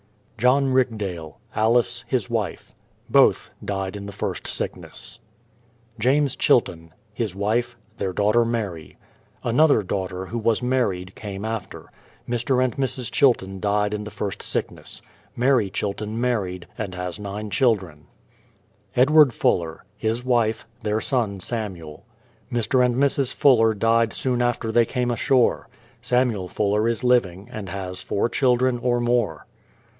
JOHN RIGDALE; Alice, his wife. ^.>.*!' Both died in the first sickness. THE PLYMOUTH SETTLEMENT 343 JAMES CHILTON; his wife; their daughter, Mary. Another daughter, who was married, came after. Mr. and Mrs. Chihon died in the first sickness. Mary Chilton married, and has nine children. EDWARD FULLER; his wife; their son, Samuel. Mr. and Mrs. Fuller died soon after they came ashore. Samuel Fuller is living, and has four children, or more.